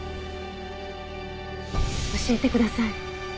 教えてください。